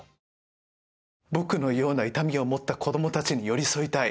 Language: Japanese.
僕のような痛みを持った子どもたちに寄り添いたい。